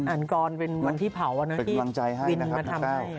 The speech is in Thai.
อ่านกรเป็นวันที่เผาที่วินมาทำให้